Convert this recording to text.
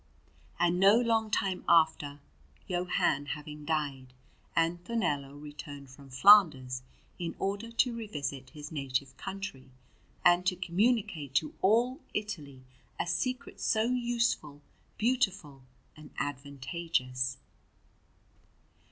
And no long time after, Johann having died, Antonello returned from Flanders in order to revisit his native country and to communicate to all Italy a secret so useful, beautiful, and advantageous.